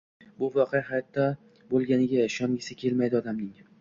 Bu voqea hayotda boʻlganiga ishongisi kelmaydi odamning